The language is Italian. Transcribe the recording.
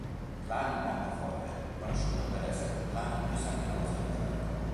Clan molto forte, conosciuto per essere il clan più sanguinoso e violento.